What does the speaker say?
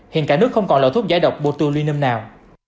hiện cả nước không còn loại thuốc giải độc botulinum nào